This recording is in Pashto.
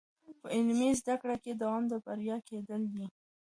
په عملي زده کړه کې دوام د بریا کلید دی.